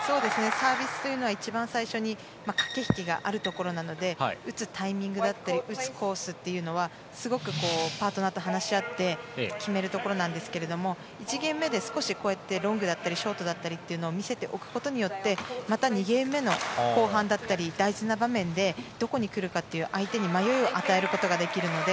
サービスというのは一番最初に駆け引きがあるところなので打つタイミングだったり打つコースは、すごくパートナーと話し合って決めるとこですが１ゲーム目でロングだったりショートだったりを見せておくことによって２ゲーム目の後半だったり大事な場面でどこに来るかという相手に迷いを与えることができるので。